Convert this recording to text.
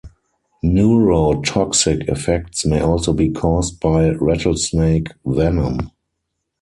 Neurotoxic effects may also be caused by rattlesnake venom.